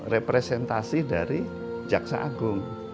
representasi dari jaksa agung